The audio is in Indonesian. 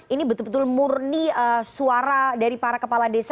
ini betul betul murni suara dari para kepala desa